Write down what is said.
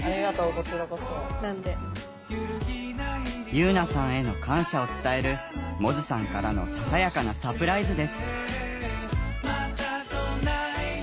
結菜さんへの感謝を伝える百舌さんからのささやかなサプライズです。